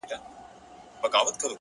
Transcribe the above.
عاجزي د لویو زړونو ځانګړنه ده؛